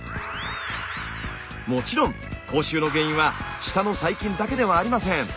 もちろん口臭の原因は舌の細菌だけではありません。